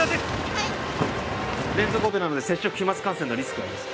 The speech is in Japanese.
はい連続オペなので接触飛沫感染のリスクがあります